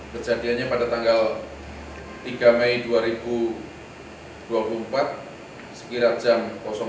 kejadiannya pada tanggal tiga mei dua ribu dua puluh empat sekirat jam tujuh lima puluh